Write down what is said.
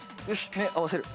目合わせる。